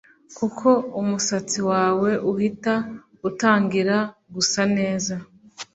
kuko umusatsi wawe uhita utangira gusa neza